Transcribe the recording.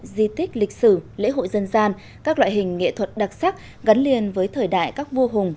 di tích lịch sử lễ hội dân gian các loại hình nghệ thuật đặc sắc gắn liền với thời đại các vua hùng